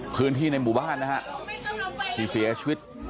พื้นที่ในหมู่บ้านนะฮะที่เสียชีวิต